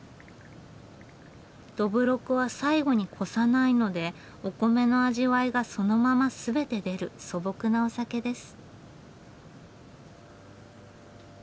どぶろくは最後に濾さないのでお米の味わいがそのまま全て出る素朴なお酒です。